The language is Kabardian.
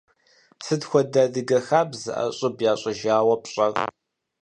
Сыт хуэдэ адыгэ хабзэ ӏэщӏыб ящӏыжауэ пщӏэр?